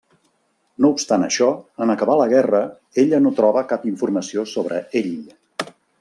No obstant això, en acabar la guerra, ella no troba cap informació sobre ell.